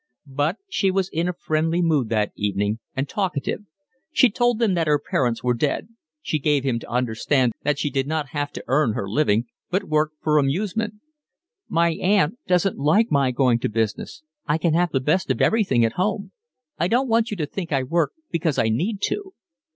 But she was in a friendly mood that evening, and talkative: she told him that her parents were dead; she gave him to understand that she did not have to earn her living, but worked for amusement. "My aunt doesn't like my going to business. I can have the best of everything at home. I don't want you to think I work because I need to."